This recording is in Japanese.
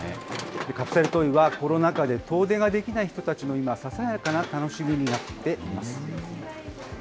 カプセルトイは、コロナ禍で遠出ができない人たちの今、ささやかな楽しみになっています。